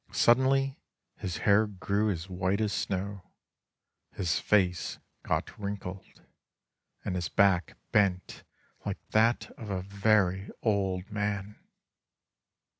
Suddenly his hair grew as white as snow, his face got wrinkled, and his back bent like that of a very old man.